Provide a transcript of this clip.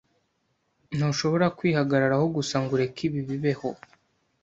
Ntushobora kwihagararaho gusa ngo ureke ibi bibeho.